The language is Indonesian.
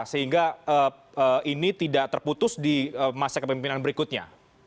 sehingga ini tidak terputus di masa kepemimpinan berikutnya